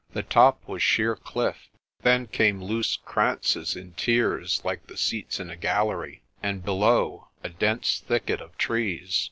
The top was sheer cliff; then came loose kranzes in tiers, like the seats in a gallery, and, below, a dense thicket of trees.